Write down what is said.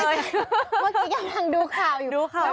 เมื่อกี้ยังดูข่าวอยู่